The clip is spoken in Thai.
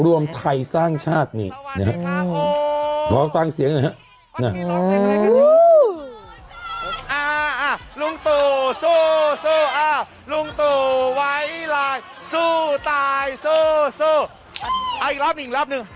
รวมไทยสร้างชาตินี่ขอฟังเสียงหน่อยครับ